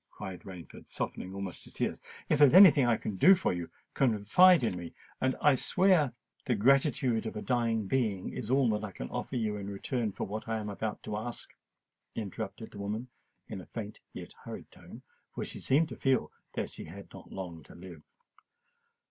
cried Rain, softened almost to tears. "If there is any thing I can do for you, confide in me—and I swear——" "The gratitude of a dying being is all that I can offer you in return for what I am about to ask," interrupted the woman in a faint, yet hurried tone—for she seemed to feel that she had not long to live.